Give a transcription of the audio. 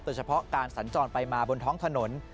โดยเฉพาะการสัญจรไปมาบนท้องถนน